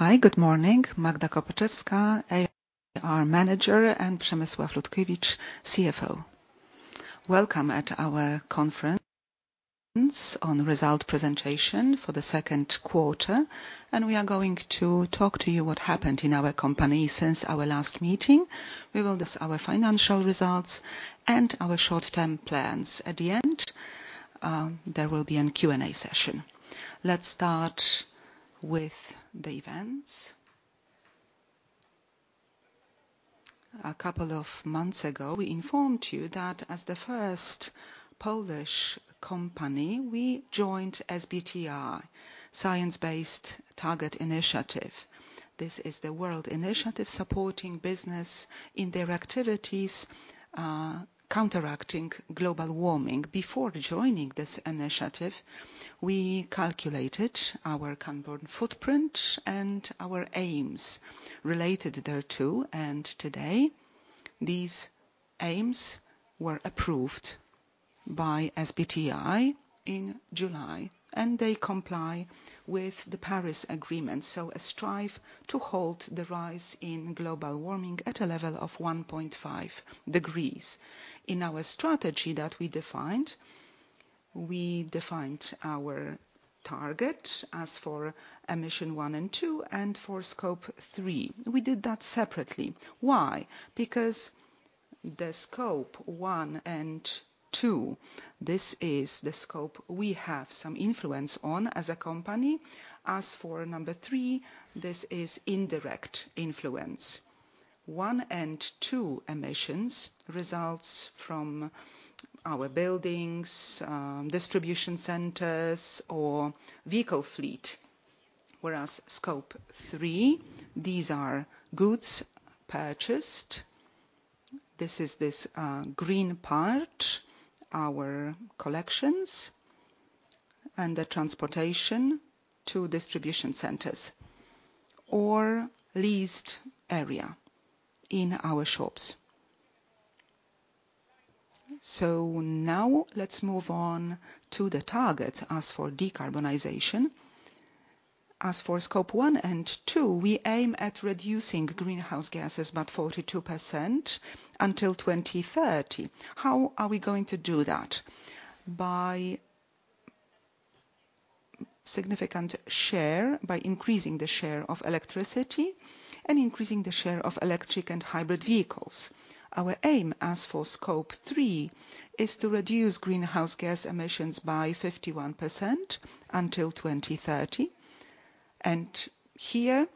Hi, good morning. Magda Kopaczewska, IR Manager, and Przemysław Lutkiewicz, CFO. Welcome at our conference on result presentation for the second quarter, and we are going to talk to you what happened in our company since our last meeting. We will discuss our financial results and our short-term plans. At the end, there will be a Q&A session. Let's start with the events. A couple of months ago, we informed you that as the first Polish company, we joined SBTi, Science Based Targets initiative. This is the world initiative supporting business in their activities, counteracting global warming. Before joining this initiative, we calculated our carbon footprint and our aims related thereto, and today, these aims were approved by SBTi in July, and they comply with the Paris Agreement, so a strive to halt the rise in global warming at a level of 1.5 degrees. In our strategy that we defined, we defined our target as for emission 1 and 2 and for Scope 3. We did that separately. Why? Because the Scope 1 and 2, this is the Scope we have some influence on as a company. As for number 3, this is indirect influence. 1 and 2 emissions results from our buildings, distribution centers, or vehicle fleet, whereas Scope 3, these are goods purchased. This is this, green part, our collections and the transportation to distribution centers or leased area in our shops. Now let's move on to the targets. As for decarbonization, as for Scope 1 and 2, we aim at reducing greenhouse gases by 42% until 2030. How are we going to do that? By significant share, by increasing the share of electricity and increasing the share of electric and hybrid vehicles. Our aim, as for Scope 3, is to reduce greenhouse gas emissions by 51% until 2030, and here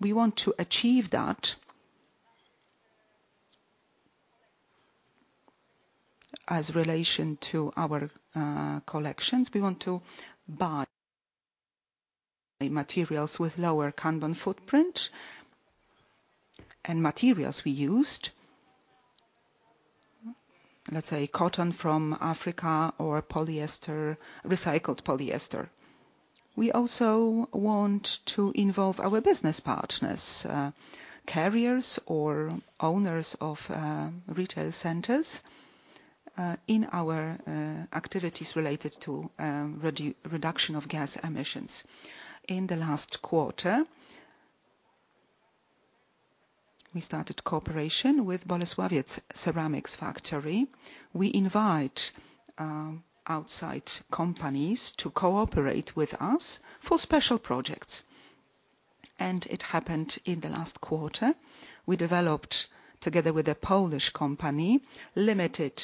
we want to achieve that as relation to our, collections. We want to buy materials with lower carbon footprint and materials we used... Let's say, cotton from Africa or polyester, recycled polyester. We also want to involve our business partners, carriers or owners of, retail centers, in our, activities related to, reduction of gas emissions. In the last quarter, we started cooperation with Bolesławiec Ceramics Factory. We invite, outside companies to cooperate with us for special projects, and it happened in the last quarter. We developed, together with a Polish company, limited,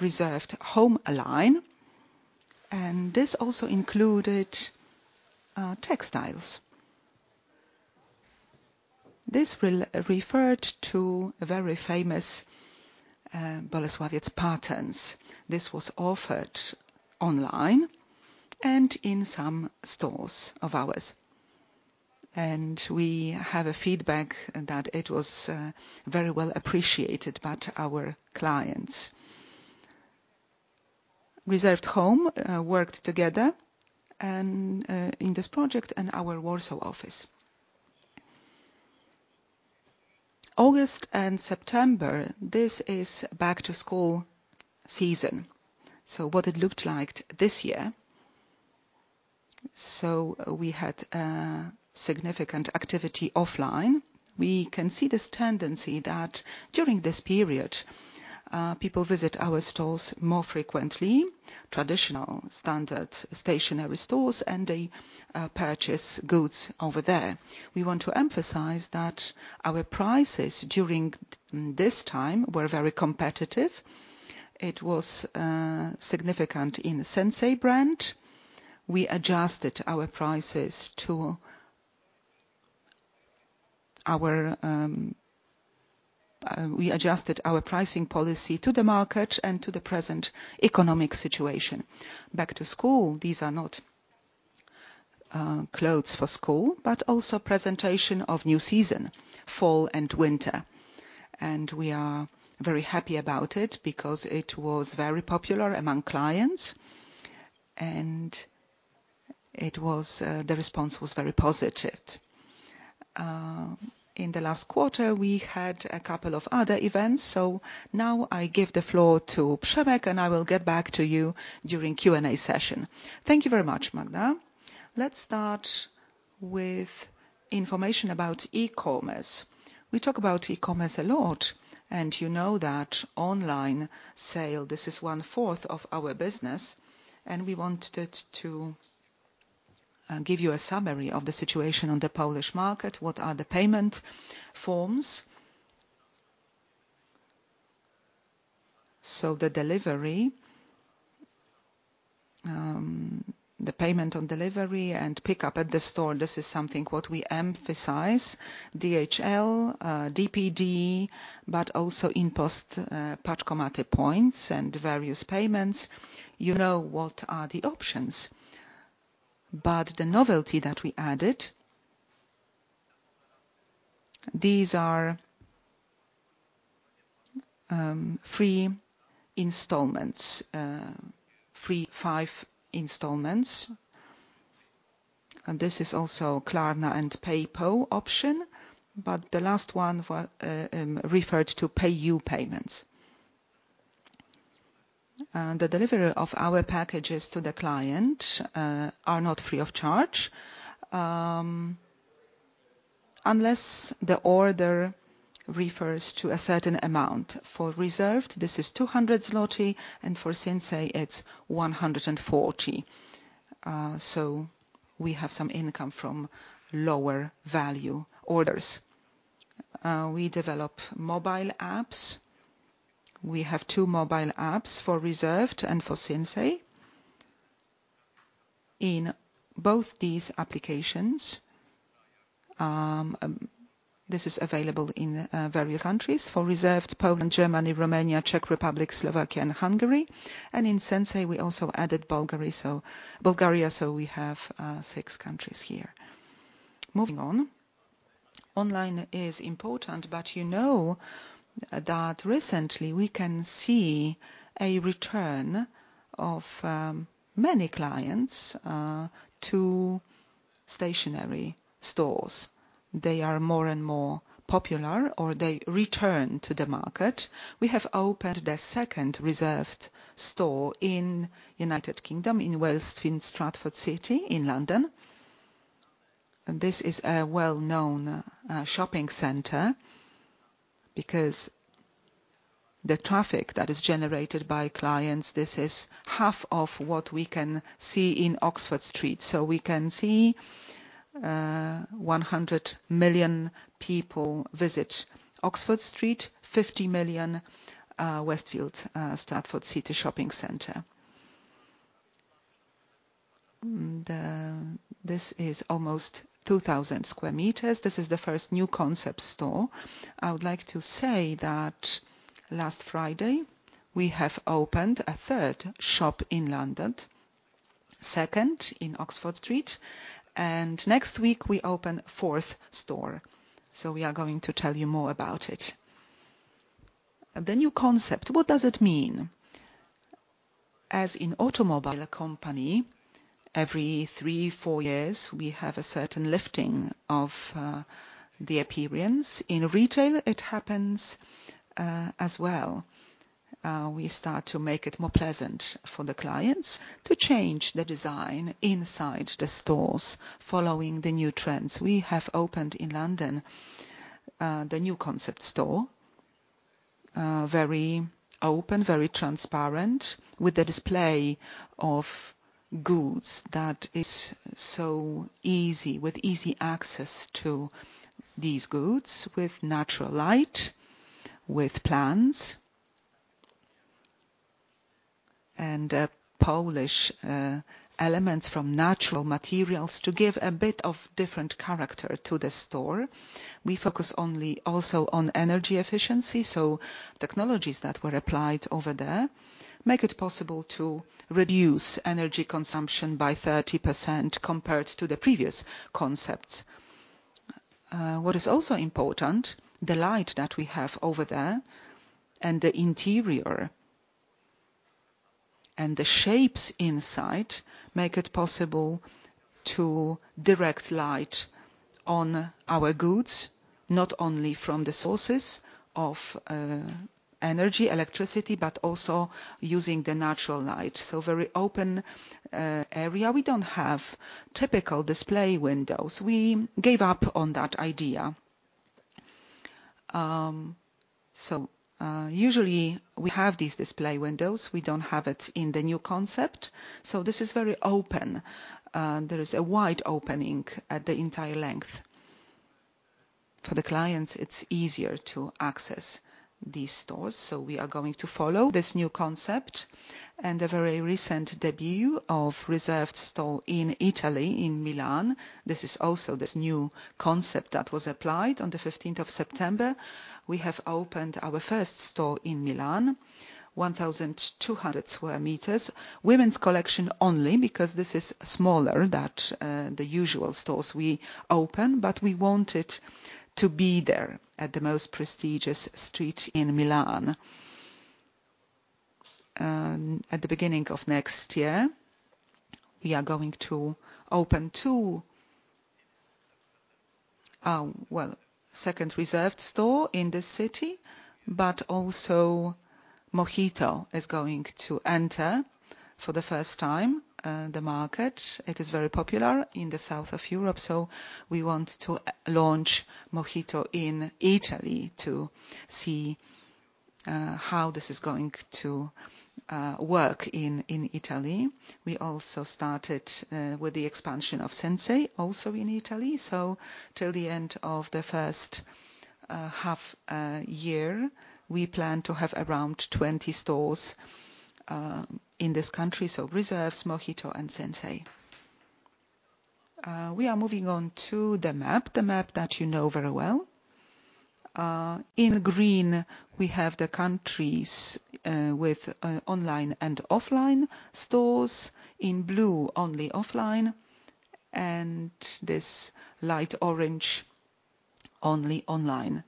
Reserved Home line, and this also included, textiles. This will refer to a very famous, Bolesławiec patterns. This was offered online and in some stores of ours, and we have a feedback that it was very well appreciated by our clients. Reserved Home worked together and in this project and our Warsaw office. August and September, this is Back to School season, so what it looked like this year? So we had a significant activity offline. We can see this tendency that during this period, people visit our stores more frequently, traditional standard stationery stores, and they purchase goods over there. We want to emphasize that our prices during this time were very competitive. It was significant in Sinsay brand. We adjusted our pricing policy to the market and to the present economic situation. Back to school, these are not clothes for school, but also presentation of new season, fall and winter. We are very happy about it because it was very popular among clients, and it was, the response was very positive. In the last quarter, we had a couple of other events. Now I give the floor to Przemek, and I will get back to you during Q&A session. Thank you very much, Magda. Let's start with information about e-commerce. We talk about e-commerce a lot, and you know that online sale, this is 1/4 of our business, and we wanted to, give you a summary of the situation on the Polish market. What are the payment forms? The delivery, the payment on delivery and pickup at the store, this is something what we emphasize, DHL, DPD, but also InPost, Paczkomaty points and various payments. You know what are the options. But the novelty that we added, these are free 5 installments, and this is also Klarna and PayPo option, but the last one refers to PayU payments. And the delivery of our packages to the client are not free of charge, unless the order refers to a certain amount. For Reserved, this is 200 zloty, and for Sinsay, it's 140 PLN. So we have some income from lower value orders. We develop mobile apps. We have 2 mobile apps for Reserved and for Sinsay. In both these applications, this is available in various countries. For Reserved, Poland, Germany, Romania, Czech Republic, Slovakia and Hungary. And in Sinsay, we also added Bulgaria, so Bulgaria, so we have 6 countries here. Moving on. Online is important, but you know that recently we can see a return of many clients to stationary stores. They are more and more popular, or they return to the market. We have opened the second Reserved store in United Kingdom, in Westfield Stratford City in London, and this is a well-known shopping center because the traffic that is generated by clients, this is half of what we can see in Oxford Street. So we can see 100 million people visit Oxford Street, 50 million Westfield Stratford City Shopping Center. This is almost 2,000 square meters. This is the first new concept store. I would like to say that last Friday, we have opened a third shop in London, second in Oxford Street, and next week we open fourth store. So we are going to tell you more about it. The new concept, what does it mean? As in automobile company, every 3-4 years, we have a certain lifting of the appearance. In retail, it happens as well. We start to make it more pleasant for the clients to change the design inside the stores following the new trends. We have opened in London the new concept store, very open, very transparent, with a display of goods that is so easy, with easy access to these goods, with natural light, with plants and Polish elements from natural materials to give a bit of different character to the store. We focus only also on energy efficiency, so technologies that were applied over there make it possible to reduce energy consumption by 30% compared to the previous concepts. What is also important, the light that we have over there and the interior and the shapes inside make it possible to direct light on our goods, not only from the sources of energy, electricity, but also using the natural light. So very open area. We don't have typical display windows. We gave up on that idea. So, usually we have these display windows. We don't have it in the new concept, so this is very open. There is a wide opening at the entire length. For the clients, it's easier to access these stores, so we are going to follow this new concept and a very recent debut of Reserved store in Italy, in Milan. This is also this new concept that was applied. On the fifteenth of September, we have opened our first store in Milan, 1,200 square meters. Women's collection only because this is smaller than the usual stores we open, but we wanted to be there at the most prestigious street in Milan. At the beginning of next year, we are going to open 2, well, second Reserved store in the city, but also Mohito is going to enter for the first time the market. It is very popular in the south of Europe, so we want to launch Mohito in Italy to see how this is going to work in Italy. We also started with the expansion of Sinsay, also in Italy. So till the end of the first half year, we plan to have around 20 stores in this country, so Reserved, Mohito and Sinsay. We are moving on to the map, the map that you know very well. In green, we have the countries with online and offline stores. In blue, only offline, and this light orange, only online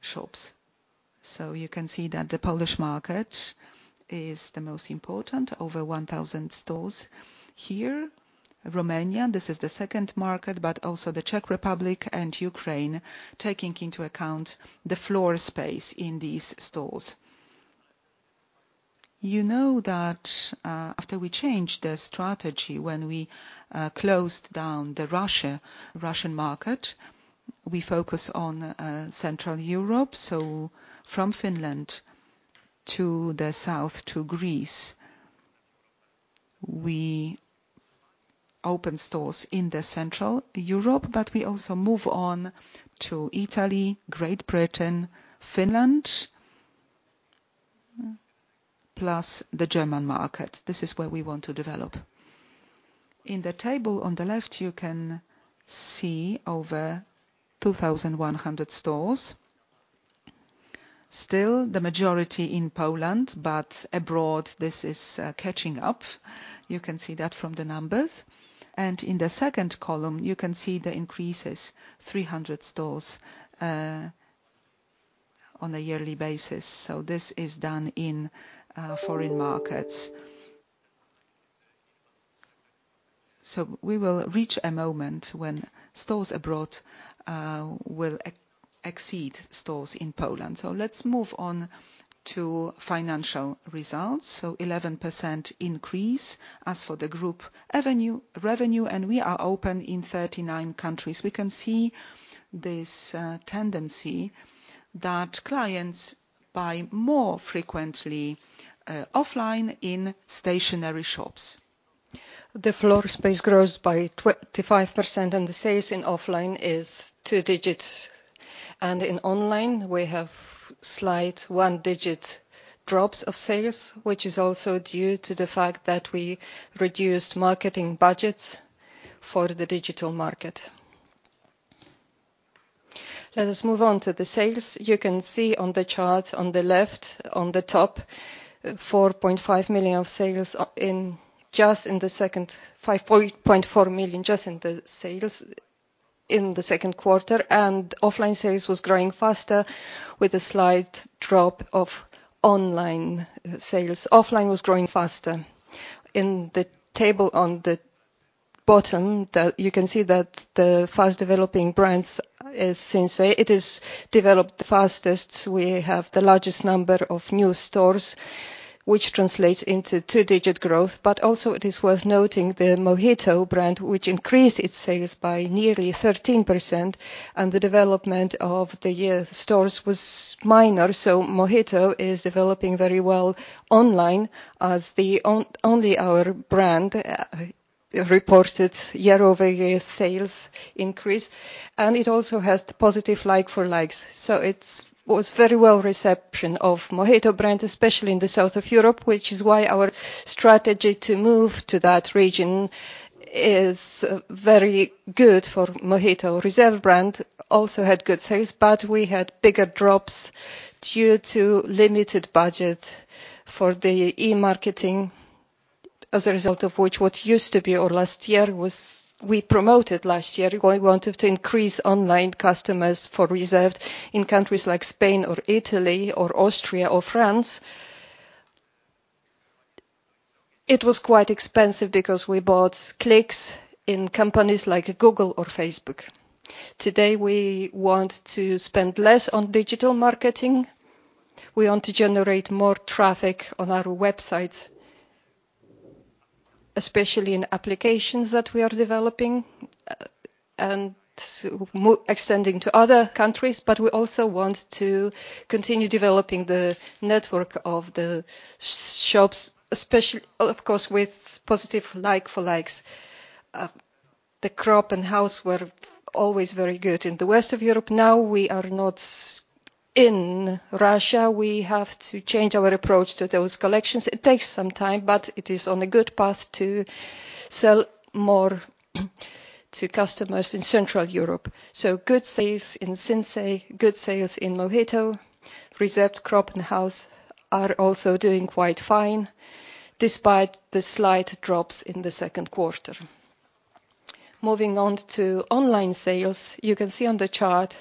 shops. So you can see that the Polish market is the most important, over 1,000 stores here. Romania, this is the second market, but also the Czech Republic and Ukraine, taking into account the floor space in these stores. You know that, after we changed the strategy, when we closed down the Russian market, we focus on Central Europe, so from Finland to the south to Greece. We open stores in Central Europe, but we also move on to Italy, Great Britain, Finland, plus the German market. This is where we want to develop. In the table on the left, you can see over 2,100 stores. Still, the majority in Poland, but abroad, this is catching up. You can see that from the numbers. In the second column, you can see the increases, 300 stores on a yearly basis. This is done in foreign markets. We will reach a moment when stores abroad will exceed stores in Poland. Let's move on to financial results. 11% increase as for the group revenue, and we are open in 39 countries. We can see this tendency that clients buy more frequently offline in stationary shops. The floor space grows by 25%, and the sales in offline is 2 digits. In online, we have slight one-digit drops of sales, which is also due to the fact that we reduced marketing budgets for the digital market. Let us move on to the sales. You can see on the chart on the left, on the top, 4.5 million of sales in... just in the second, 5.4 million, just in the sales in the second quarter, and offline sales was growing faster with a slight drop of online sales. Offline was growing faster. In the table on the bottom, you can see that the fast-developing brands is Sinsay. It has developed the fastest. We have the largest number of new stores, which translates into 2-digit growth. But also, it is worth noting the Mohito brand, which increased its sales by nearly 13%, and the development of the year stores was minor. So Mohito is developing very well online as the online-only our brand reported year-over-year sales increase, and it also has the positive like-for-likes. So it was very well reception of Mohito brand, especially in the south of Europe, which is why our strategy to move to that region is very good for Mohito. Reserved brand also had good sales, but we had bigger drops due to limited budget for the e-marketing, as a result of which, what used to be or last year was. We promoted last year. We wanted to increase online customers for Reserved in countries like Spain or Italy or Austria or France. It was quite expensive because we bought clicks in companies like Google or Facebook. Today, we want to spend less on digital marketing. We want to generate more traffic on our websites, especially in applications that we are developing and extending to other countries. We also want to continue developing the network of the shops, especially, of course, with positive like for likes. The Cropp and House were always very good in the rest of Europe. Now, we are not in Russia. We have to change our approach to those collections. It takes some time, but it is on a good path to sell more to customers in Central Europe. Good sales in Sinsay, good sales in Mohito. Reserved, Cropp, and House are also doing quite fine, despite the slight drops in the second quarter. ...Moving on to online sales, you can see on the chart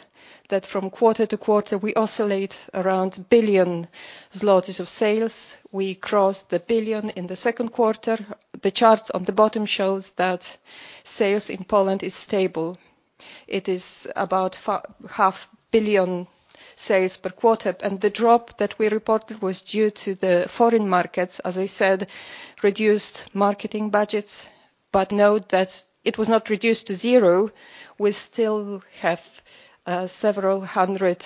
that from quarter to quarter, we oscillate around 1 billion zlotys of sales. We crossed the 1 billion in the second quarter. The chart on the bottom shows that sales in Poland is stable. It is about half billion sales per quarter, and the drop that we reported was due to the foreign markets, as I said, reduced marketing budgets, but note that it was not reduced to zero. We still have several hundred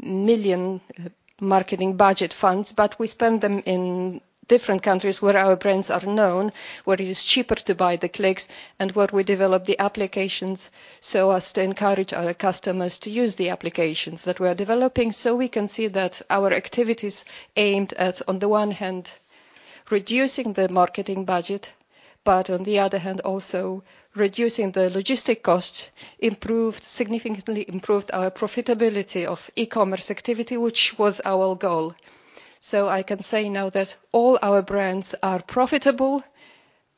million PLN marketing budget funds, but we spend them in different countries where our brands are known, where it is cheaper to buy the clicks, and where we develop the applications so as to encourage our customers to use the applications that we are developing. So we can see that our activities aimed at, on the one hand, reducing the marketing budget, but on the other hand, also reducing the logistics costs, improved, significantly improved our profitability of e-commerce activity, which was our goal. So I can say now that all our brands are profitable,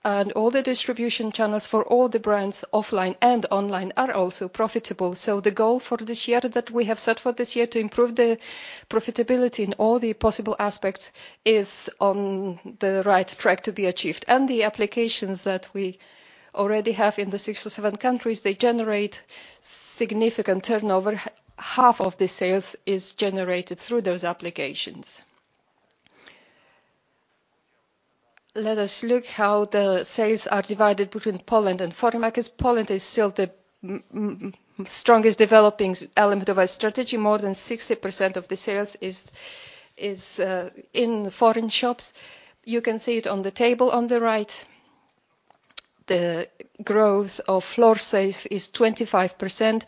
and all the distribution channels for all the brands, offline and online, are also profitable. So the goal for this year, that we have set for this year to improve the profitability in all the possible aspects, is on the right track to be achieved. And the applications that we already have in the six or seven countries, they generate significant turnover. Half of the sales is generated through those applications. Let us look how the sales are divided between Poland and foreign markets. Poland is still the strongest developing element of our strategy. More than 60% of the sales is, is, in foreign shops. You can see it on the table on the right. The growth of floor sales is 25%.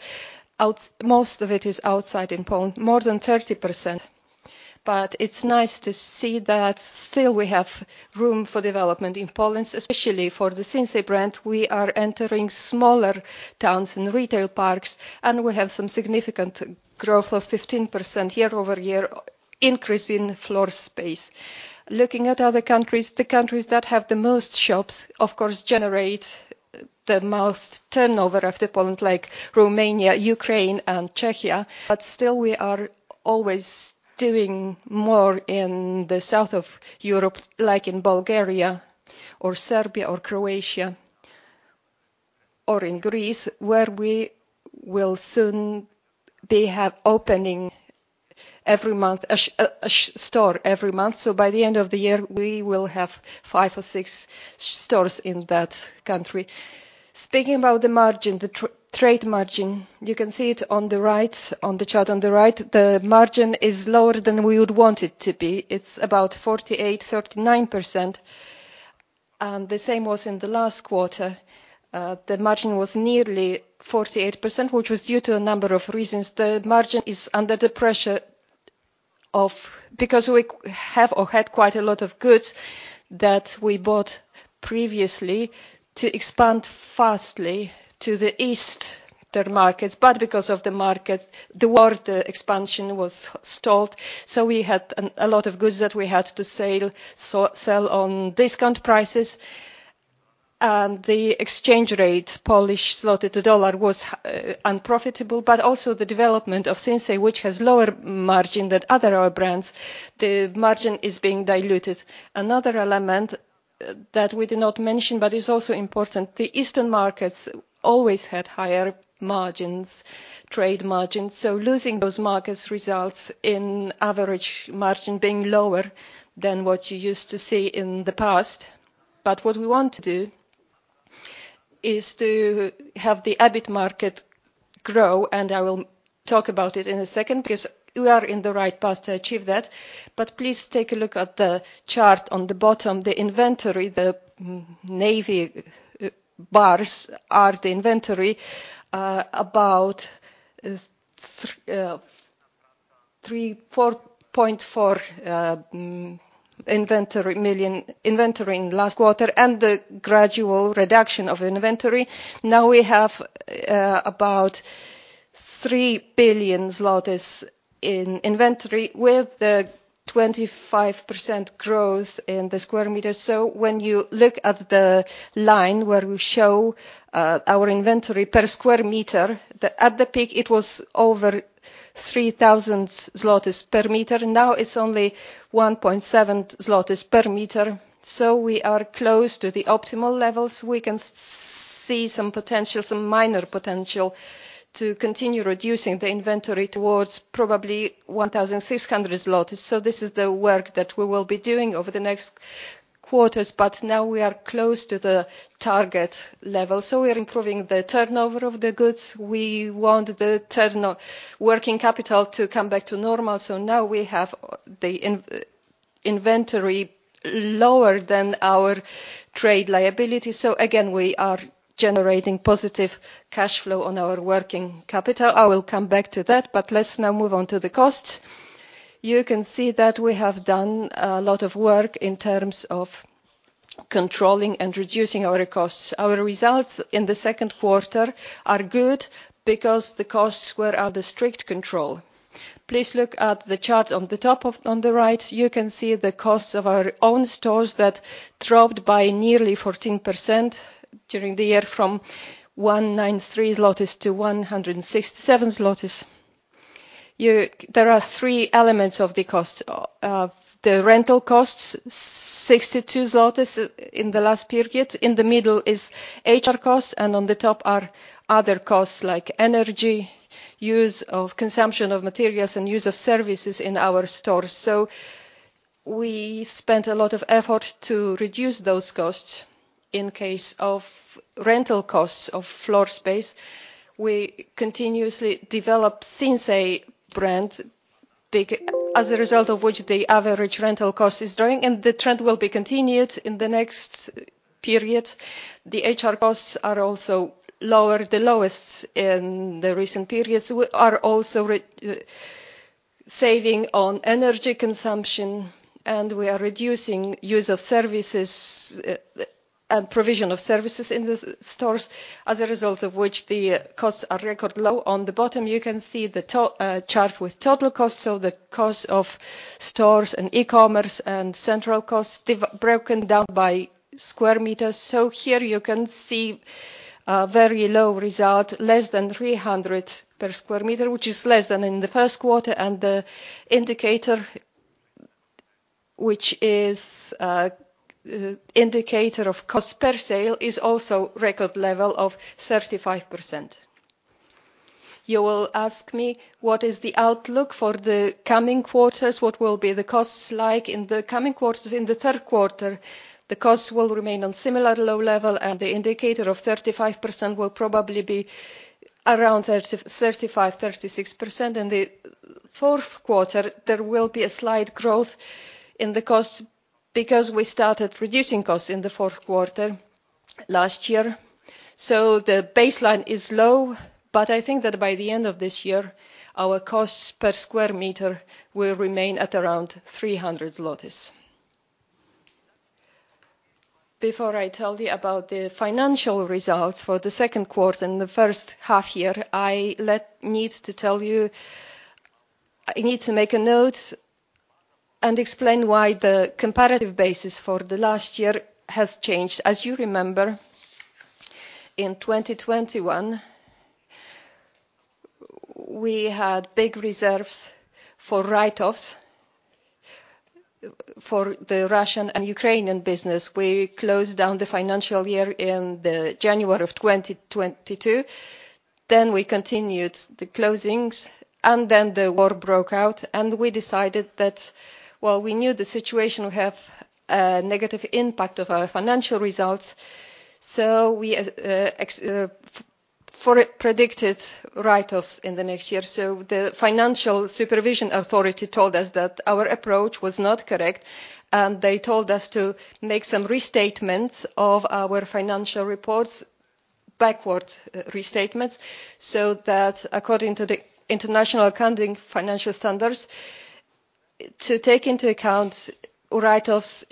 Most of it is outside in Poland, more than 30%. It's nice to see that still we have room for development in Poland, especially for the Sinsay brand. We are entering smaller towns and retail parks, and we have some significant growth of 15% year-over-year increase in floor space. Looking at other countries, the countries that have the most shops, of course, generate the most turnover after Poland, like Romania, Ukraine, and Czechia. Still, we are always doing more in the south of Europe, like in Bulgaria or Serbia or Croatia or in Greece, where we will soon be opening every month a store every month. So by the end of the year, we will have five or six stores in that country. Speaking about the margin, the trade margin, you can see it on the right, on the chart on the right. The margin is lower than we would want it to be. It's about 48.39%, and the same was in the last quarter. The margin was nearly 48%, which was due to a number of reasons. The margin is under the pressure of... Because we have or had quite a lot of goods that we bought previously to expand fast to the east, the markets. But because of the markets, the war, the expansion was stalled, so we had a lot of goods that we had to sell on discount prices. The exchange rate, Polish zloty to dollar, was unprofitable, but also the development of Sinsay, which has lower margin than other our brands, the margin is being diluted. Another element, that we did not mention, but is also important, the eastern markets always had higher margins, trade margins, so losing those markets results in average margin being lower than what you used to see in the past. But what we want to do is to have the EBIT margin grow, and I will talk about it in a second, because we are in the right path to achieve that. But please take a look at the chart on the bottom. The inventory, the navy bars are the inventory about 3.4 million inventory in last quarter, and the gradual reduction of inventory. Now we have about 3 billion in inventory with the 25% growth in the square meters. So when you look at the line where we show our inventory per square meter, at the peak, it was over 3,000 zlotys per meter. Now it's only 1.7 zlotys per meter, so we are close to the optimal levels. We can see some potential, some minor potential, to continue reducing the inventory towards probably 1,600 zlotys. So this is the work that we will be doing over the next quarters, but now we are close to the target level. So we are improving the turnover of the goods. We want the working capital to come back to normal, so now we have the inventory lower than our trade liability. Again, we are generating positive cash flow on our working capital. I will come back to that, but let's now move on to the costs. You can see that we have done a lot of work in terms of controlling and reducing our costs. Our results in the second quarter are good because the costs were under strict control. Please look at the chart on the top right. You can see the costs of our own stores that dropped by nearly 14% during the year, from 193 zlotys to 167 zlotys. There are 3 elements of the cost. The rental costs, 62 zlotys in the last period. In the middle is HR costs, and on the top are other costs, like energy, consumption of materials, and use of services in our stores. We spent a lot of effort to reduce those costs. In case of rental costs of floor space, we continuously develop Sinsay brand, big—as a result of which, the average rental cost is dropping, and the trend will be continued in the next period. The HR costs are also lower, the lowest in the recent periods. We are also saving on energy consumption, and we are reducing use of services, and provision of services in the stores, as a result of which, the costs are record low. On the bottom, you can see the chart with total costs, so the cost of stores, and e-commerce, and central costs broken down by square meters. Here you can see a very low result, less than 300 per square meter, which is less than in the first quarter. The indicator, which is indicator of cost per sale, is also record level of 35%. You will ask me, what is the outlook for the coming quarters? What will be the costs like in the coming quarters? In the third quarter, the costs will remain on similar low level, and the indicator of 35% will probably be around 35%-36%. In the fourth quarter, there will be a slight growth in the cost because we started reducing costs in the fourth quarter last year. So the baseline is low, but I think that by the end of this year, our costs per square meter will remain at around 300 zlotys. Before I tell you about the financial results for the second quarter and the first half year, I need to tell you... I need to make a note and explain why the comparative basis for last year has changed. As you remember, in 2021, we had big reserves for write-offs for the Russian and Ukrainian business. We closed down the financial year in January of 2022, we continued the closings, and the war broke out. We decided that, while we knew the situation would have a negative impact on our financial results, we predicted write-offs in the next year. The Financial Supervision Authority told us that our approach was not correct, and they told us to make some restatements of our financial reports, backward restatements, so that according to the International Accounting Financial Standards, to take into account write-offs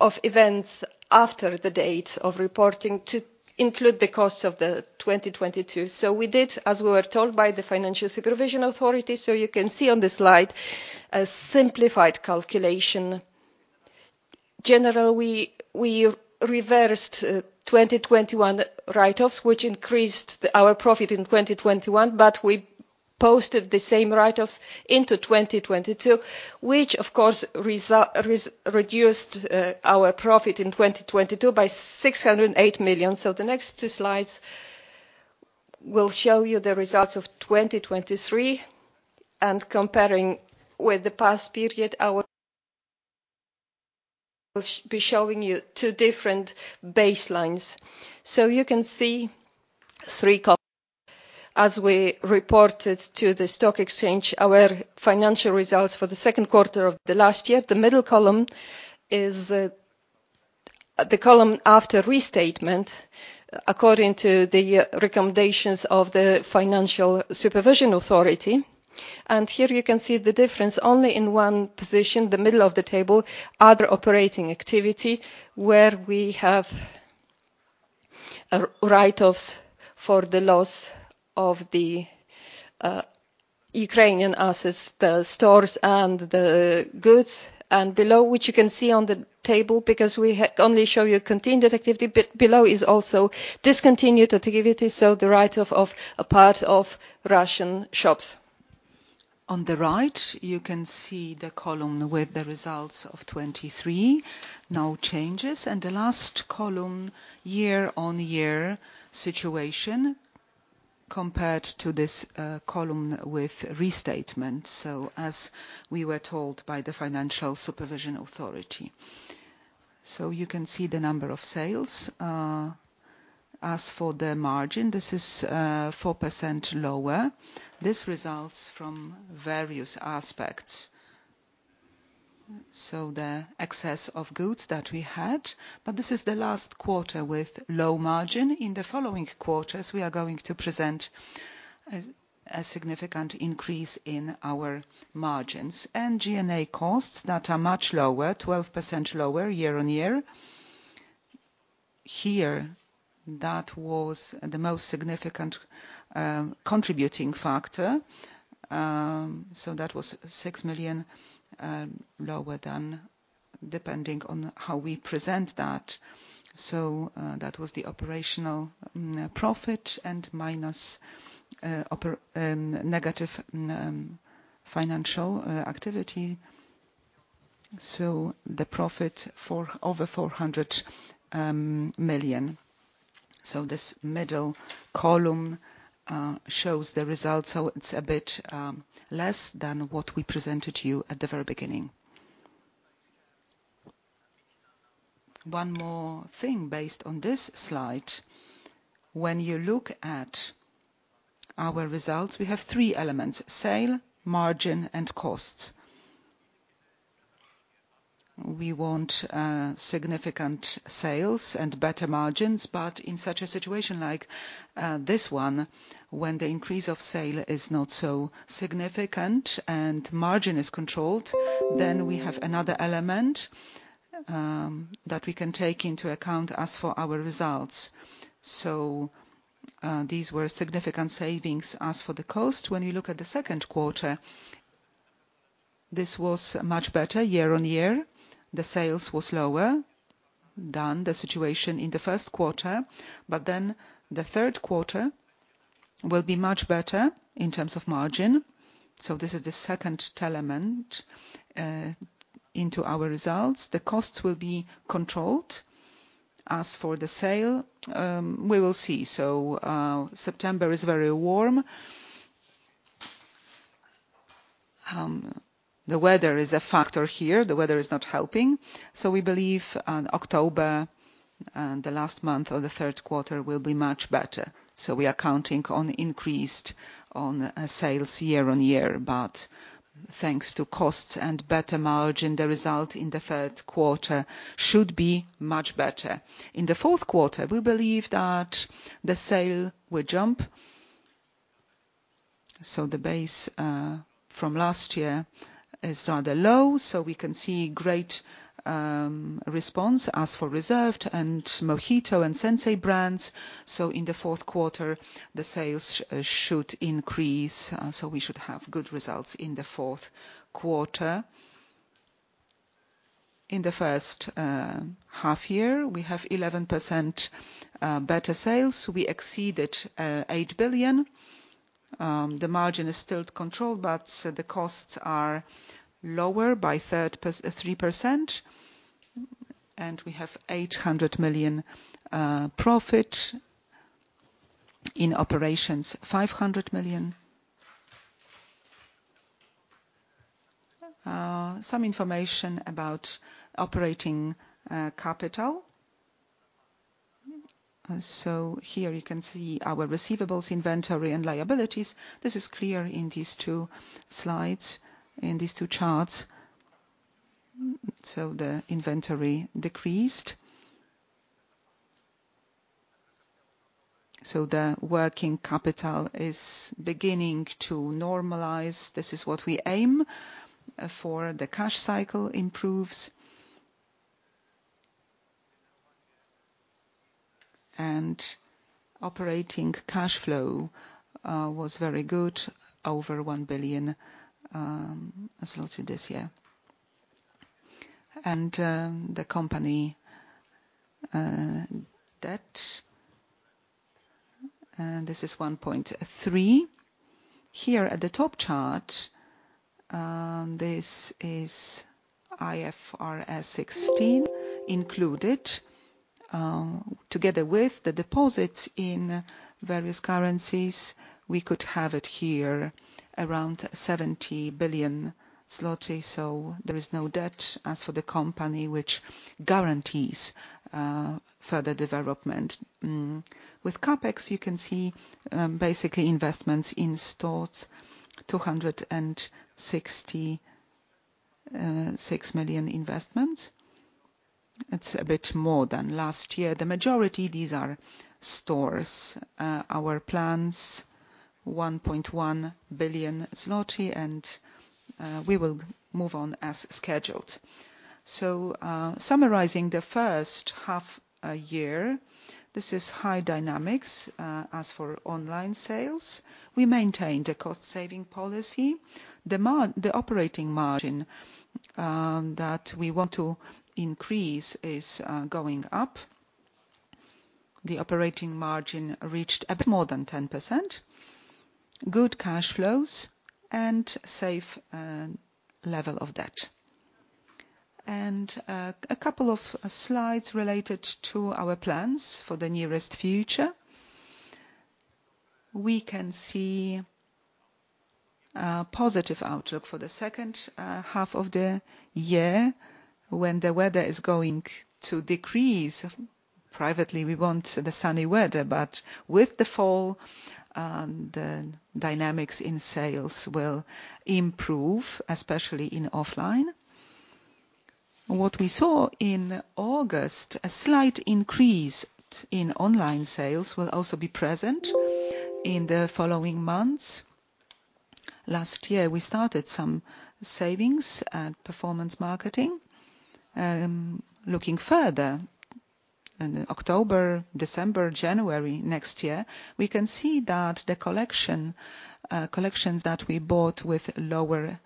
of events after the date of reporting, to include the costs of 2022. We did, as we were told by the Financial Supervision Authority. You can see on the slide, a simplified calculation. General, we reversed 2021 write-offs, which increased our profit in 2021, but we posted the same write-offs into 2022, which of course, reduced our profit in 2022 by 608 million. The next 2 slides will show you the results of 2023, and comparing with the past period, our... will be showing you 2 different baselines. You can see 3 column. As we reported to the stock exchange, our financial results for the second quarter of last year, the middle column is the column after restatement, according to the recommendations of the Financial Supervision Authority. Here you can see the difference only in one position, the middle of the table, other operating activity, where we have a write-offs for the loss of the Ukrainian assets, the stores and the goods. Below, which you can see on the table, because we only show you continued activity, but below is also discontinued activity, so the write-off of a part of Russian shops. On the right, you can see the column with the results of 2023, no changes. The last column, year-on-year situation compared to this column with restatement, so as we were told by the Financial Supervision Authority. So you can see the number of sales. As for the margin, this is 4% lower. This results from various aspects. So the excess of goods that we had, but this is the last quarter with low margin. In the following quarters, we are going to present a significant increase in our margins. G&A costs that are much lower, 12% lower year-on-year. Here, that was the most significant contributing factor. So that was 6 million lower than depending on how we present that. So that was the operational profit and minus negative financial activity. The profit for over 400 million. This middle column shows the results. It's a bit less than what we presented to you at the very beginning. One more thing based on this slide: when you look at our results, we have 3 elements: sale, margin and costs. We want significant sales and better margins, but in such a situation like this one, when the increase of sale is not so significant and margin is controlled, then we have another element that we can take into account as for our results. These were significant savings. As for the cost, when you look at the second quarter, this was much better year-over-year. The sales was lower than the situation in the first quarter, but then the third quarter will be much better in terms of margin. This is the second element into our results. The costs will be controlled. As for the sale, we will see. September is very warm. The weather is a factor here. The weather is not helping, so we believe October, the last month of the third quarter, will be much better. We are counting on increased sales year-over-year, but thanks to costs and better margin, the result in the third quarter should be much better. In the fourth quarter, we believe that the sale will jump. The base from last year is rather low, so we can see great response as for Reserved and Mohito and Sinsay brands. In the fourth quarter, the sales should increase, so we should have good results in the fourth quarter. In the first half year, we have 11% better sales, we exceeded 8 billion. The margin is still controlled, but the costs are lower by 3%, and we have 800 million profit in operations, 500 million. Some information about operating capital. So here you can see our receivables, inventory, and liabilities. This is clear in these 2 slides, in these 2 charts. So the inventory decreased. So the working capital is beginning to normalize. This is what we aim for. The cash cycle improves. Operating cash flow was very good, over 1 billion zloty this year. The company debt this is 1.3. Here at the top chart this is IFRS 16, included. Together with the deposits in various currencies, we could have it here around 70 billion zloty, so there is no debt as for the company, which guarantees further development. With CapEx, you can see, basically investments in stores, 266 million investment. It's a bit more than last year. The majority, these are stores. Our plans, 1.1 billion zloty, and we will move on as scheduled. So, summarizing the first half a year, this is high dynamics. As for online sales, we maintained a cost-saving policy. The operating margin, that we want to increase is going up. The operating margin reached a bit more than 10%, good cash flows and safe level of debt. And, a couple of slides related to our plans for the nearest future. We can see, positive outlook for the second half of the year when the weather is going to decrease. Privately, we want the sunny weather, but with the fall, the dynamics in sales will improve, especially in offline. What we saw in August, a slight increase in online sales will also be present in the following months. Last year, we started some savings and performance marketing. Looking further in October, December, January next year, we can see that the collection, collections that we bought with lower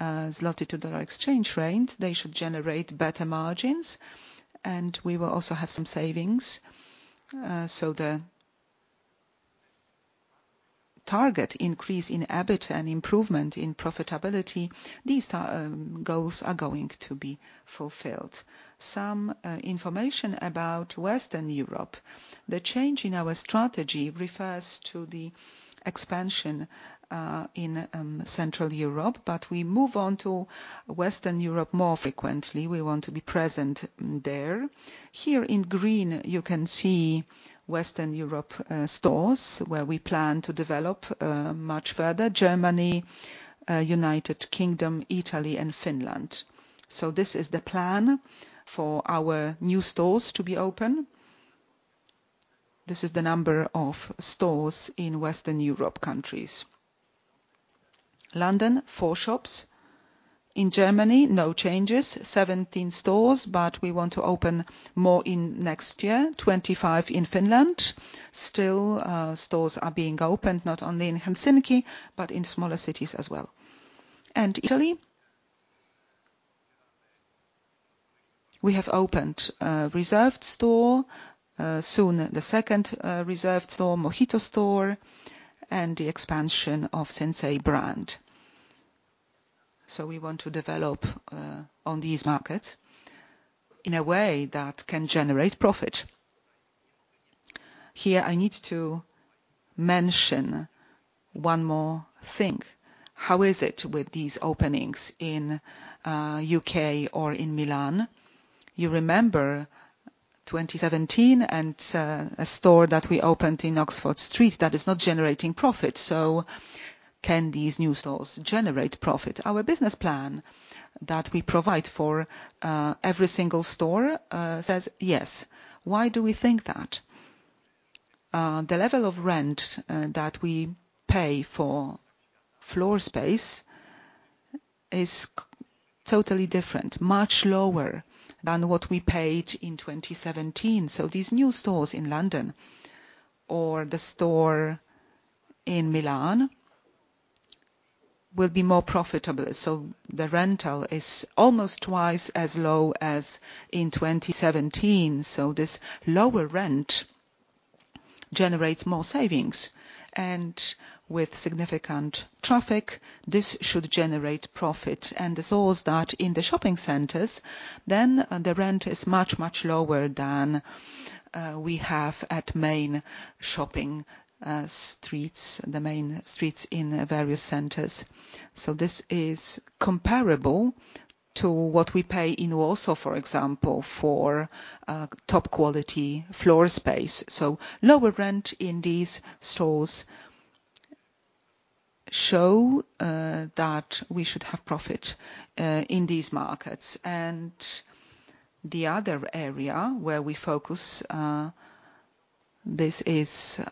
zloty to dollar exchange rate, they should generate better margins, and we will also have some savings. So the target increase in EBIT and improvement in profitability, these goals are going to be fulfilled. Some information about Western Europe. The change in our strategy refers to the expansion in Central Europe, but we move on to Western Europe more frequently. We want to be present there. Here in green, you can see Western Europe stores, where we plan to develop much further. Germany, United Kingdom, Italy, and Finland. This is the plan for our new stores to be open. This is the number of stores in Western Europe countries. London, 4 shops. In Germany, no changes, 17 stores, but we want to open more next year. 25 in Finland. Still, stores are being opened, not only in Helsinki, but in smaller cities as well. In Italy, we have opened a Reserved store, soon the second Reserved store, Mohito store, and the expansion of Sinsay brand. We want to develop on these markets in a way that can generate profit. Here I need to mention one more thing. How is it with these openings in the U.K. or in Milan? You remember 2017 and a store that we opened in Oxford Street that is not generating profit, so can these new stores generate profit? Our business plan that we provide for every single store says yes. Why do we think that? The level of rent that we pay for floor space is totally different, much lower than what we paid in 2017. These new stores in London or the store in Milan will be more profitable, so the rental is almost twice as low as in 2017. This lower rent generates more savings, and with significant traffic, this should generate profit. The stores that in the shopping centers, then the rent is much, much lower than we have at main shopping streets, the main streets in various centers. So this is comparable to what we pay in Warsaw, for example, for top-quality floor space. So lower rent in these stores show that we should have profit in these markets. The other area where we focus, this is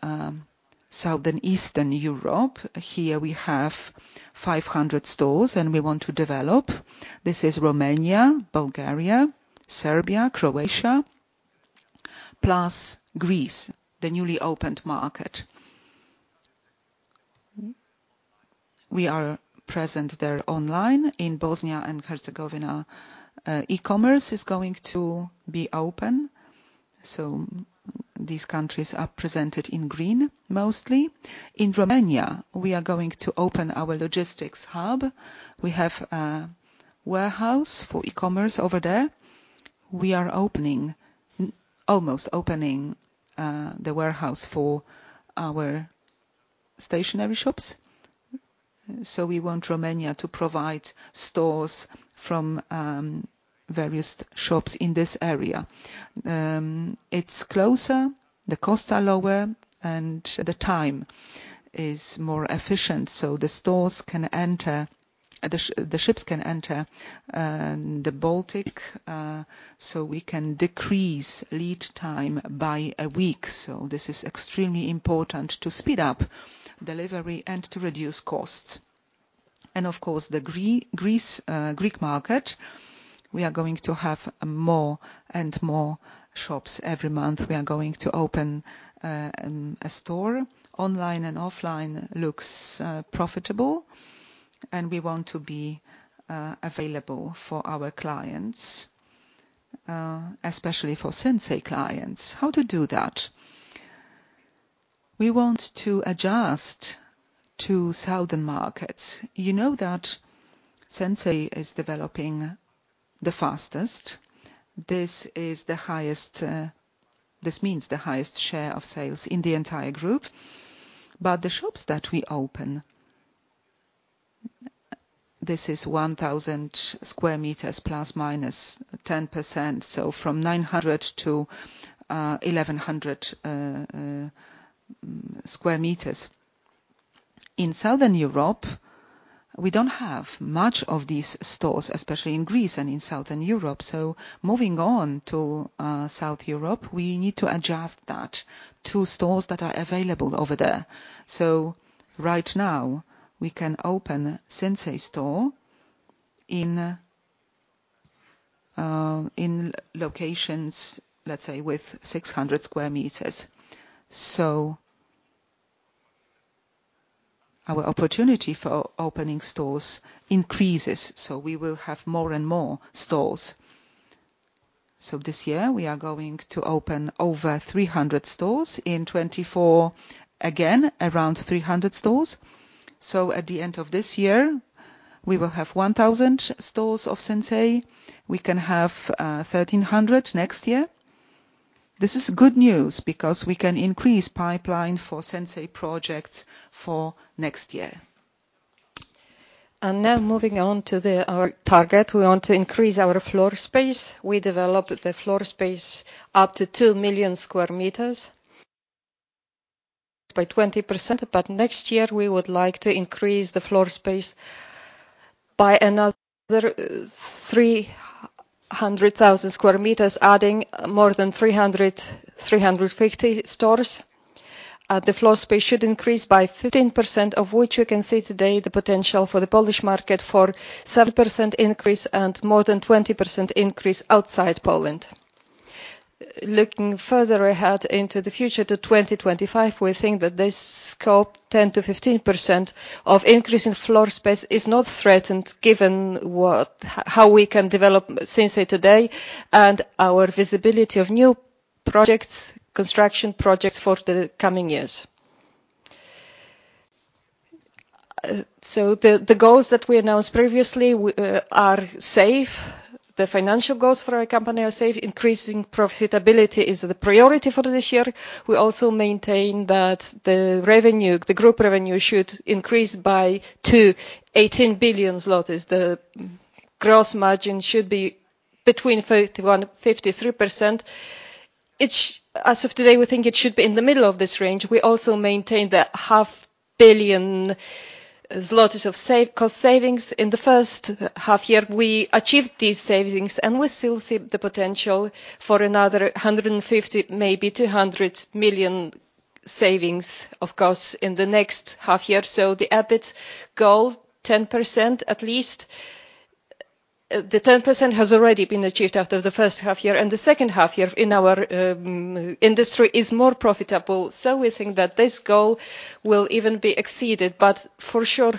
Southern Eastern Europe. Here we have 500 stores, and we want to develop. This is Romania, Bulgaria, Serbia, Croatia, plus Greece, the newly opened market. We are present there online. In Bosnia and Herzegovina, e-commerce is going to be open, so these countries are presented in green, mostly. In Romania, we are going to open our logistics hub. We have a warehouse for e-commerce over there. We are almost opening the warehouse for our stationary shops, so we want Romania to provide stores from various shops in this area. It's closer, the costs are lower, and the time is more efficient, so the stores can enter... The ships can enter the Baltic, so we can decrease lead time by a week. This is extremely important to speed up delivery and to reduce costs. Of course, the Greek market, we are going to have more and more shops. Every month, we are going to open a store. Online and offline looks profitable, and we want to be available for our clients, especially for Sinsay clients. How to do that? We want to adjust to southern markets. You know that Sinsay is developing the fastest. This is the highest, this means the highest share of sales in the entire group, but the shops that we open, this is 1,000 square meters ±10%, so from 900 to 1,100 square meters. In Southern Europe- We don't have much of these stores, especially in Greece and in Southern Europe. Moving on to South Europe, we need to adjust that to stores that are available over there. Right now, we can open Sinsay store in locations, let's say, with 600 square meters. Our opportunity for opening stores increases, so we will have more and more stores. This year, we are going to open over 300 stores. In 2024, again, around 300 stores. At the end of this year, we will have 1,000 stores of Sinsay. We can have 1,300 next year. This is good news because we can increase pipeline for Sinsay projects for next year. Now moving on to our target. We want to increase our floor space. We developed the floor space up to 2 million sq m, by 20%, but next year, we would like to increase the floor space by another 300,000 sq m, adding more than 300, 350 stores. The floor space should increase by 15%, of which you can see today the potential for the Polish market for 7% increase and more than 20% increase outside Poland. Looking further ahead into the future to 2025, we think that this Scope, 10%-15% of increase in floor space, is not threatened, given how we can develop Sinsay today and our visibility of new projects, construction projects for the coming years. The goals that we announced previously are safe. The financial goals for our company are safe. Increasing profitability is the priority for this year. We also maintain that the revenue, the group revenue, should increase to 18 billion zlotys. The gross margin should be 51%-53%. It's, as of today, we think it should be in the middle of this range. We also maintain the half billion zlotys of savings, cost savings. In the first half year, we achieved these savings, and we still see the potential for another 150, maybe 200 million savings, of course, in the next half year. So the EBIT goal, 10% at least. The 10% has already been achieved after the first half year, and the second half year in our industry is more profitable, so we think that this goal will even be exceeded, but for sure,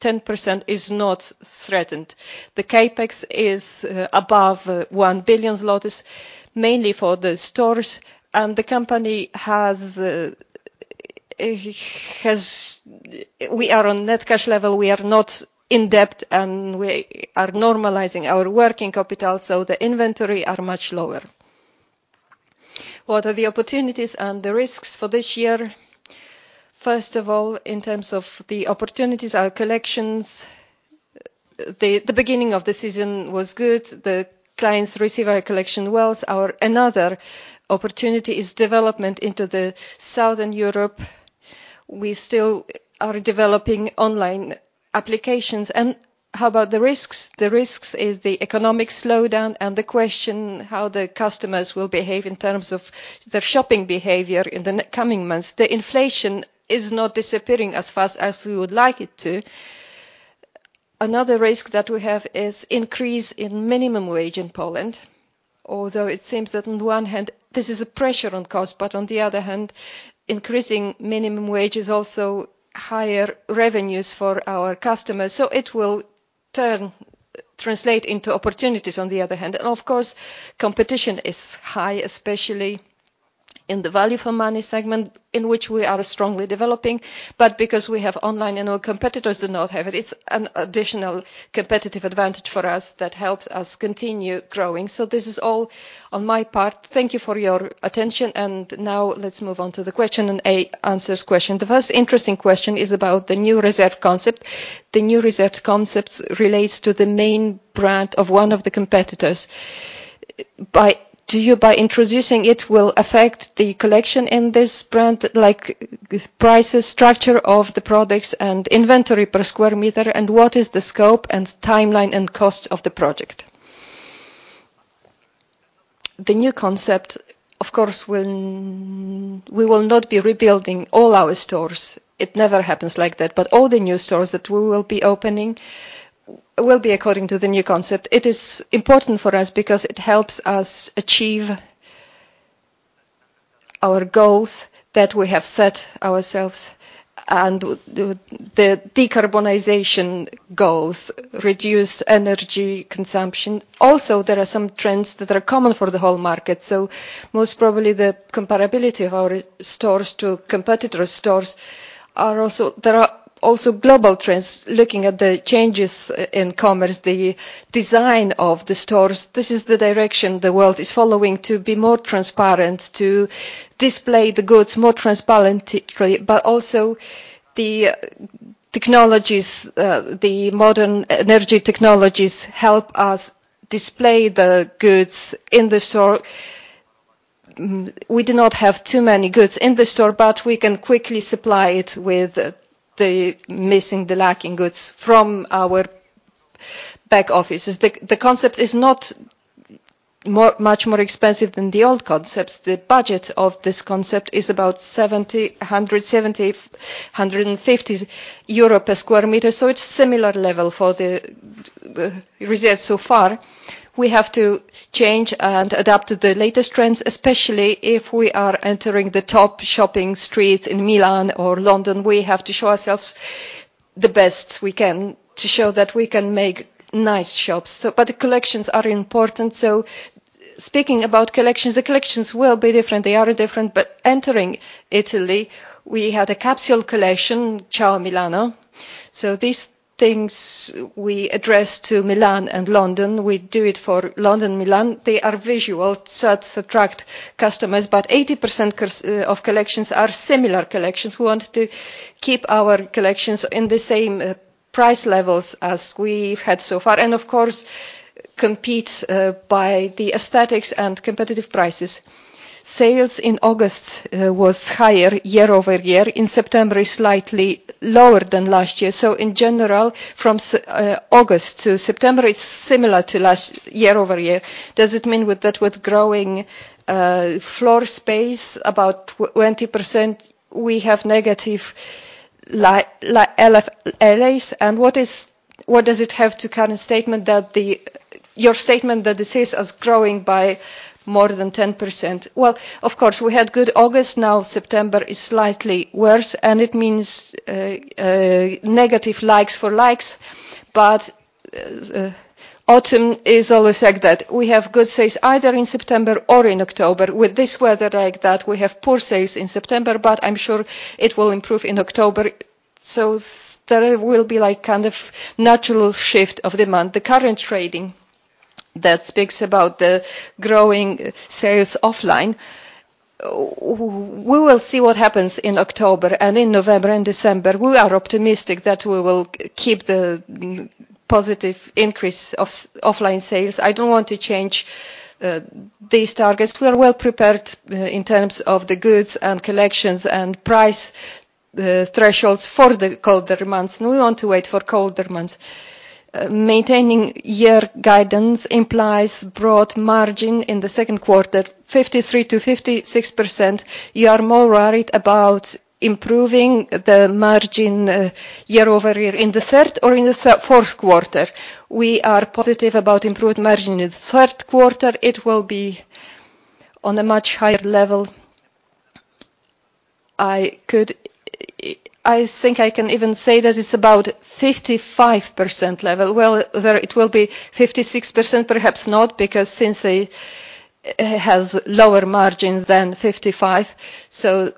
ten percent is not threatened. The CapEx is above 1 billion zlotys, mainly for the stores, and the company has. We are on net cash level. We are not in debt, and we are normalizing our working capital, so the inventory are much lower. What are the opportunities and the risks for this year? First of all, in terms of the opportunities, our collections, the beginning of the season was good. The clients receive our collection well. Our another opportunity is development into the Southern Europe. We still are developing online applications. And how about the risks? The risks is the economic slowdown and the question, how the customers will behave in terms of their shopping behavior in the coming months. The inflation is not disappearing as fast as we would like it to. Another risk that we have is increase in minimum wage in Poland, although it seems that on one hand, this is a pressure on cost, but on the other hand, increasing minimum wage is also higher revenues for our customers, so it will translate into opportunities on the other hand. Of course, competition is high, especially in the value for money segment, in which we are strongly developing. Because we have online and our competitors do not have it, it's an additional competitive advantage for us that helps us continue growing. This is all on my part. Thank you for your attention, and now let's move on to the question and answers question. The first interesting question is about the new Reserved concept. The new Reserved concept relates to the main brand of one of the competitors. By introducing it, will it affect the collection in this brand, like, prices, structure of the products, and inventory per square meter? What is the Scope and timeline and cost of the project? The new concept, of course, will not be rebuilding all our stores. It never happens like that. All the new stores that we will be opening will be according to the new concept. It is important for us because it helps us achieve our goals that we have set ourselves and the decarbonization goals, reduce energy consumption. Also, there are some trends that are common for the whole market, so most probably, the comparability of our stores to competitor stores is also— There are also global trends. Looking at the changes in commerce, the design of the stores, this is the direction the world is following to be more transparent, to display the goods more transparently, but also the technologies, the modern energy technologies help us display the goods in the store, we do not have too many goods in the store, but we can quickly supply it with the missing, the lacking goods from our back offices. The concept is not much more expensive than the old concepts. The budget of this concept is about 170-150 euro per sq m, so it's similar level for Reserved so far. We have to change and adapt to the latest trends, especially if we are entering the top shopping streets in Milan or London. We have to show ourselves the best we can to show that we can make nice shops. But the collections are important. So speaking about collections, the collections will be different. They are different, but entering Italy, we had a capsule collection, Ciao Milano. So these things we address to Milan and London. We do it for London, Milan. They are visual, so attract customers, but 80% of collections are similar collections. We want to keep our collections in the same price levels as we've had so far, and, of course, compete by the aesthetics and competitive prices. Sales in August was higher year-over-year. In September, is slightly lower than last year. So in general, from August to September, it's similar to last year year-over-year. Does it mean with that, with growing floor space about 20%, we have negative LFLs? And what does it have to current statement that the... Your statement that the sales is growing by more than 10%? Well, of course, we had good August. Now, September is slightly worse, and it means negative like-for-likes. But autumn is always like that. We have good sales, either in September or in October. With this weather like that, we have poor sales in September, but I'm sure it will improve in October. So there will be, like, kind of natural shift of demand. The current trading that speaks about the growing sales offline, we will see what happens in October, and in November, and December. We are optimistic that we will keep the positive increase of offline sales. I don't want to change these targets. We are well prepared in terms of the goods and collections and price thresholds for the colder months, and we want to wait for colder months. Maintaining year guidance implies gross margin in the second quarter, 53%-56%. You are more worried about improving the margin year over year in the third or in the fourth quarter? We are positive about improved margin. In the third quarter, it will be on a much higher level. I could, I think I can even say that it's about 55% level. Well, whether it will be 56%, perhaps not, because Sinsay has lower margins than 55%, so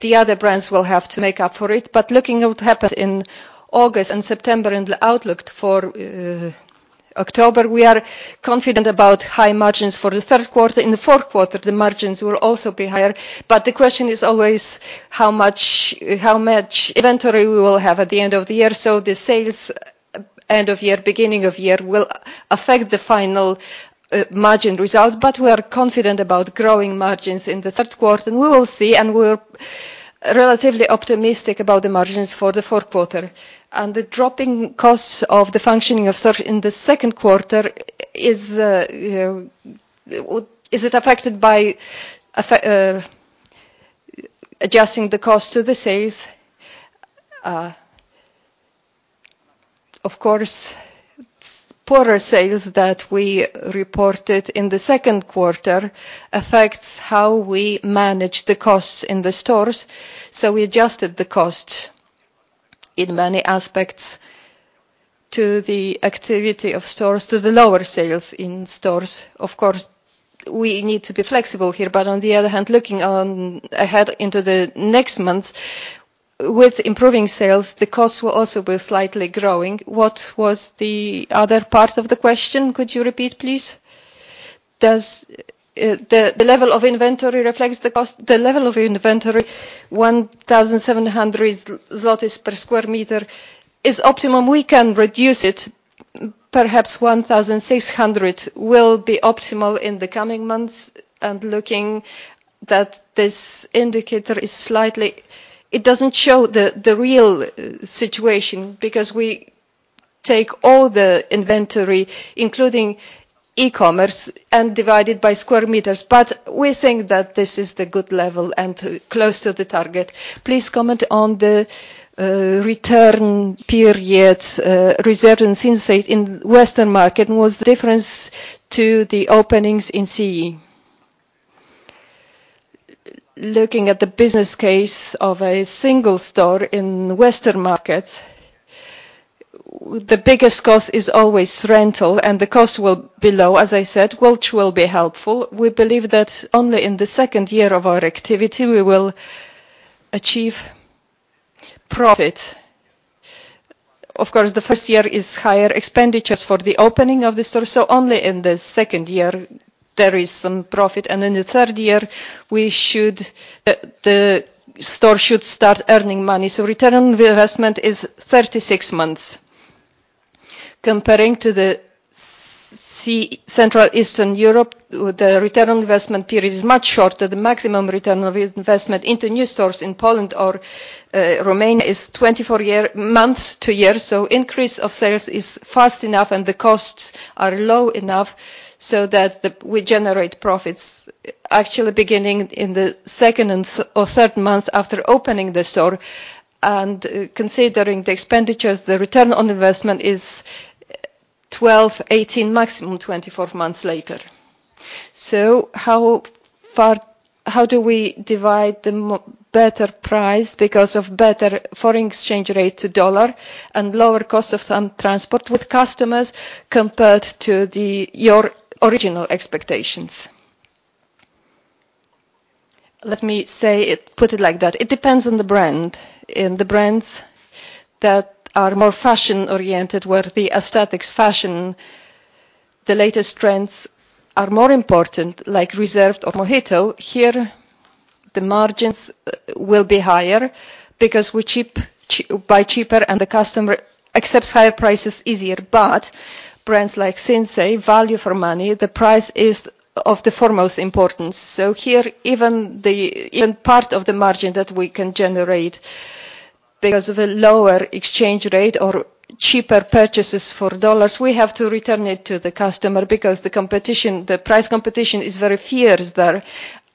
the other brands will have to make up for it. Looking at what happened in August and September and the outlook for October, we are confident about high margins for the third quarter. In the fourth quarter, the margins will also be higher, but the question is always how much, how much inventory we will have at the end of the year. The sales, end of year, beginning of year, will affect the final margin results, but we are confident about growing margins in the third quarter, and we will see, and we're relatively optimistic about the margins for the fourth quarter. The dropping costs of the functioning of search in the second quarter is, you know, is it affected by adjusting the cost to the sales? Of course, poorer sales that we reported in the second quarter affects how we manage the costs in the stores, so we adjusted the cost in many aspects to the activity of stores, to the lower sales in stores. Of course, we need to be flexible here, but on the other hand, looking on, ahead into the next months, with improving sales, the costs will also be slightly growing. What was the other part of the question? Could you repeat, please? Does the level of inventory reflects the cost? The level of inventory, 1,700 zlotys per sq m is optimum. We can reduce it. Perhaps 1,600 will be optimal in the coming months, and looking that this indicator is slightly... It doesn't show the, the real, the situation because we take all the inventory, including e-commerce, and divide it by square meters, but we think that this is the good level and close to the target. Please comment on the return periods, Reserved and Sinsay in Western market, and what's the difference to the openings in CEE? Looking at the business case of a single store in the Western markets, the biggest cost is always rental, and the cost will be low, as I said, which will be helpful. We believe that only in the second year of our activity, we will achieve profit. Of course, the first year is higher expenditures for the opening of the store, so only in the second year there is some profit, and in the third year, we should, the store should start earning money. So return on the investment is 36 months, comparing to Central Eastern Europe, with the return on investment period is much shorter. The maximum return of investment into new stores in Poland or Romania is 24 months, so increase of sales is fast enough and the costs are low enough so that we generate profits. Actually, beginning in the second or third month after opening the store, and considering the expenditures, the return on investment is 12, 18, maximum 24 months later. So how far how do we divide the better price because of better foreign exchange rate to dollar and lower cost of some transport with customers, compared to your original expectations? Let me say it, put it like that. It depends on the brand. In the brands that are more fashion-oriented, where the aesthetics, fashion, the latest trends are more important, like Reserved or Mohito, here, the margins will be higher because we buy cheaper and the customer accepts higher prices easier. But brands like Sinsay, value for money, the price is of the foremost importance. So here, even part of the margin that we can generate because of a lower exchange rate or cheaper purchases for dollars, we have to return it to the customer because the competition, the price competition is very fierce there,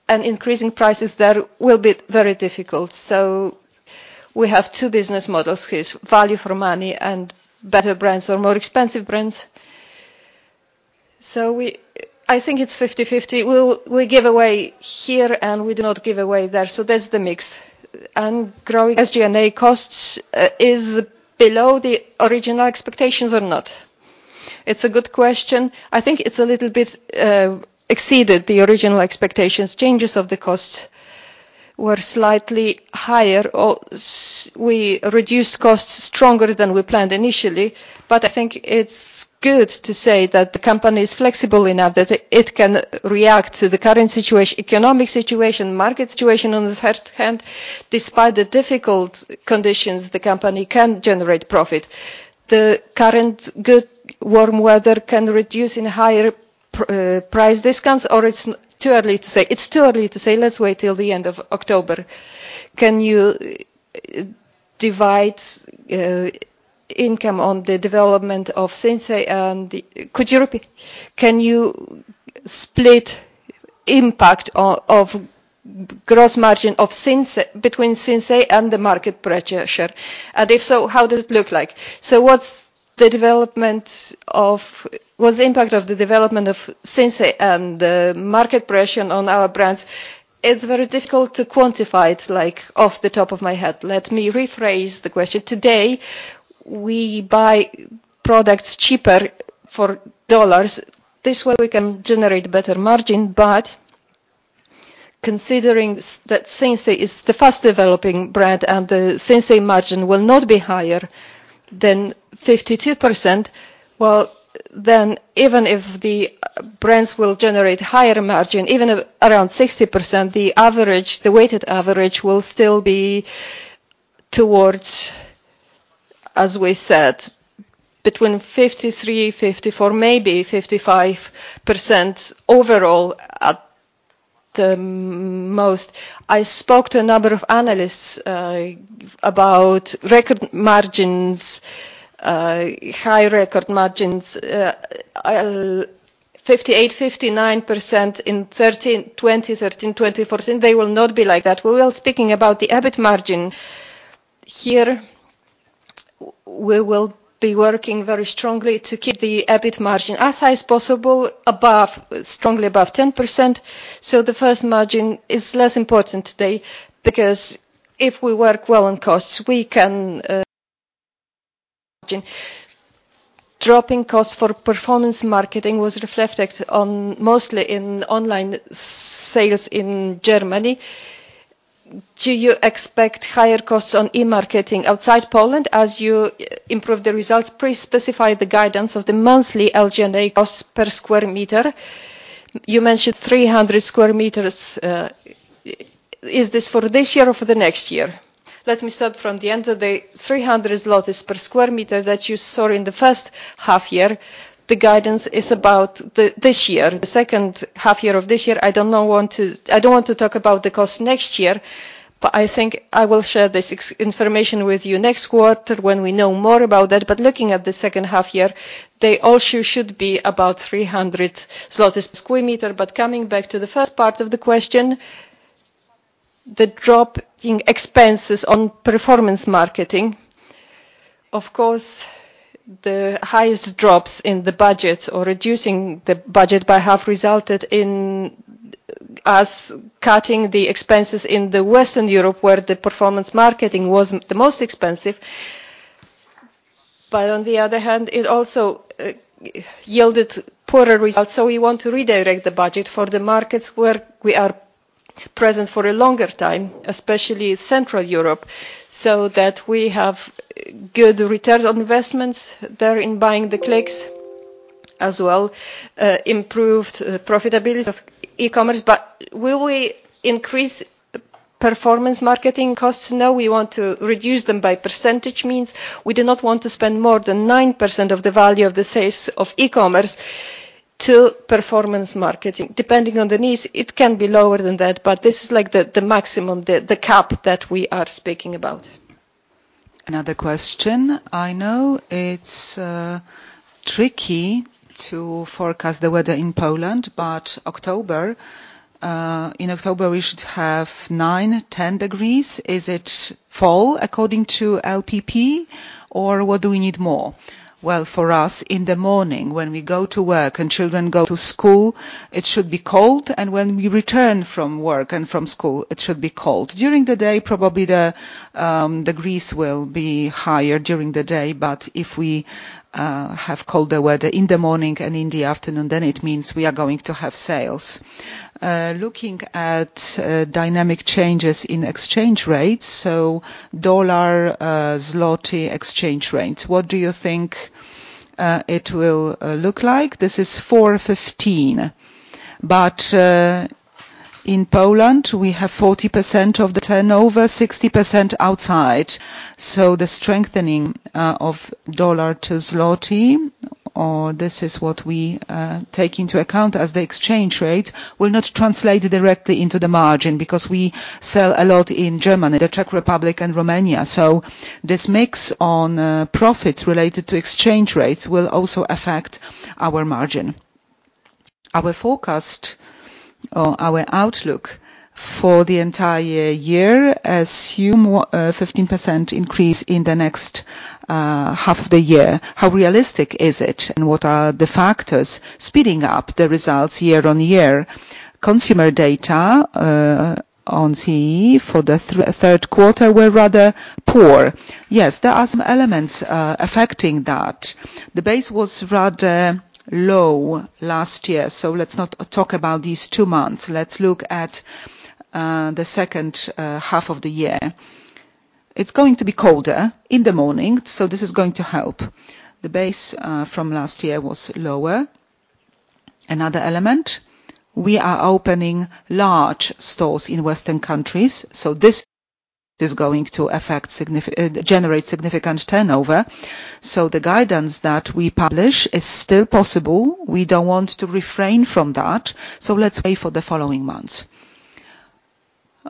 and increasing prices there will be very difficult. So we have 2 business models here, is value for money and better brands or more expensive brands. So I think it's 50/50. We will, we give away here, and we do not give away there, so that's the mix. Growing SG&A costs is below the original expectations or not? It's a good question. I think it's a little bit exceeded the original expectations. Changes of the costs were slightly higher, or we reduced costs stronger than we planned initially. But I think it's good to say that the company is flexible enough that it can react to the current economic situation, market situation on the third hand. Despite the difficult conditions, the company can generate profit. The current good, warm weather can reduce in higher price discounts, or it's too early to say? It's too early to say. Let's wait till the end of October. Can you divide income on the development of Sinsay and the... Could you repeat? Can you split impact of gross margin of Sinsay, between Sinsay and the market pressure? If so, how does it look like? What's the development of... What's the impact of the development of Sinsay and the market pressure on our brands? It's very difficult to quantify it, like, off the top of my head. Let me rephrase the question. Today, we buy products cheaper for dollars. This way, we can generate better margin, but considering that Sinsay is the fast-developing brand and the Sinsay margin will not be higher than 52%, well, then, even if the brands will generate higher margin, even around 60%, the average, the weighted average will still be towards, as we said, between 53, 54, maybe 55% overall at the most. I spoke to a number of analysts about record margins, high record margins, 58-59% in 2013, 2013, 2014. They will not be like that. We were speaking about the EBIT margin. Here, we will be working very strongly to keep the EBIT margin as high as possible, above, strongly above 10%. So the first margin is less important today because if we work well on costs, we can... Margin. Dropping costs for performance marketing was reflected on mostly in online sales in Germany. Do you expect higher costs on e-marketing outside Poland as you improve the results? Please specify the guidance of the monthly SG&A costs per square meter. You mentioned 300 square meters, is this for this year or for the next year? Let me start from the end of the 300 zlotys per square meter that you saw in the first half year. The guidance is about the, this year, the second half year of this year. I don't want to... I don't want to talk about the cost next year, but I think I will share this information with you next quarter when we know more about that. Looking at the second half year, they also should be about 300 zlotys per square meter. Coming back to the first part of the question, the drop in expenses on performance marketing, of course, the highest drops in the budget or reducing the budget by half resulted in us cutting the expenses in Western Europe, where the performance marketing was the most expensive. On the other hand, it also yielded poorer results, so we want to redirect the budget for the markets where we are present for a longer time, especially Central Europe, so that we have good return on investments there in buying the clicks.... as well, improved profitability of e-commerce, but will we increase performance marketing costs? No, we want to reduce them by percentage means. We do not want to spend more than 9% of the value of the sales of e-commerce to performance marketing. Depending on the needs, it can be lower than that, but this is, like, the, the maximum, the, the cap that we are speaking about. Another question. I know it's tricky to forecast the weather in Poland, but October, in October, we should have 9-10 degrees. Is it fall according to LPP, or what do we need more? Well, for us, in the morning, when we go to work and children go to school, it should be cold, and when we return from work and from school, it should be cold. During the day, probably the degrees will be higher during the day, but if we have colder weather in the morning and in the afternoon, then it means we are going to have sales. Looking at dynamic changes in exchange rates, so dollar zloty exchange rates, what do you think it will look like? This is 4.15, but in Poland, we have 40% of the turnover, 60% outside, so the strengthening of dollar to zloty, or this is what we take into account as the exchange rate, will not translate directly into the margin because we sell a lot in Germany, the Czech Republic and Romania. So this mix on profits related to exchange rates will also affect our margin. Our forecast or our outlook for the entire year assume a 15% increase in the next half the year. How realistic is it, and what are the factors speeding up the results year on year? Consumer data on CEE for the third quarter were rather poor. Yes, there are some elements affecting that. The base was rather low last year, so let's not talk about these 2 months. Let's look at the second half of the year. It's going to be colder in the morning, so this is going to help. The base from last year was lower. Another element, we are opening large stores in Western countries, so this is going to generate significant turnover. So the guidance that we publish is still possible. We don't want to refrain from that, so let's wait for the following months.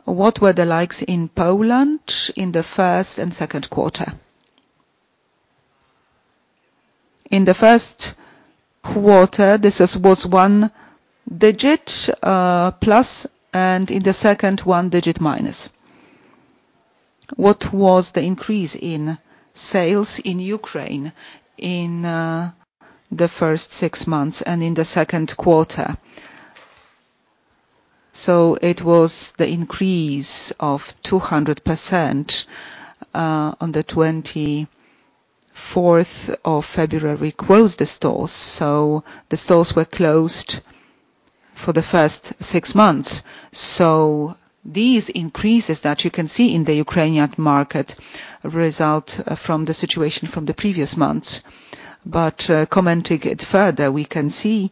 What were the likes in Poland in the first and second quarter? In the first quarter, this was one digit plus, and in the second, one digit minus. What was the increase in sales in Ukraine in the first six months and in the second quarter? It was the increase of 200%. On the twenty-fourth of February, we closed the stores, so the stores were closed for the first six months. These increases that you can see in the Ukrainian market result from the situation from the previous months. Commenting it further, we can see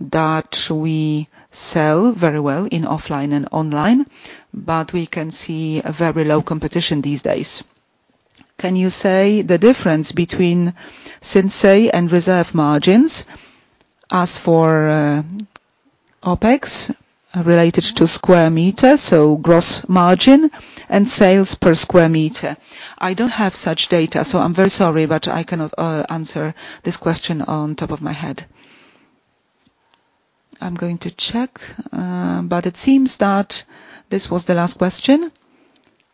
that we sell very well in offline and online, but we can see a very low competition these days. Can you say the difference between Sinsay and Reserved margins as for OpEx, related to square meter, so gross margin and sales per square meter? I don't have such data, so I'm very sorry, but I cannot answer this question on top of my head. I'm going to check, but it seems that this was the last question.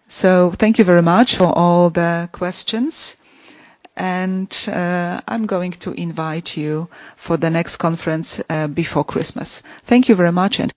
So thank you very much for all the questions, and I'm going to invite you for the next conference before Christmas. Thank you very much and-